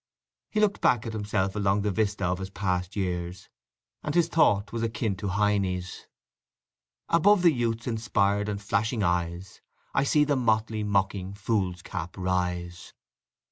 He looked back at himself along the vista of his past years, and his thought was akin to Heine's: Above the youth's inspired and flashing eyes I see the motley mocking fool's cap rise!